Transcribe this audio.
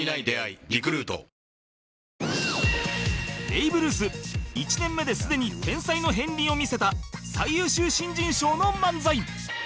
ベイブルース１年目ですでに天才の片鱗を見せた最優秀新人賞の漫才